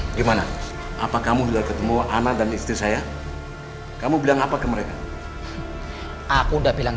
hai gimana apa kamu sudah ketemu anak dan istri saya kamu bilang apa ke mereka aku udah bilang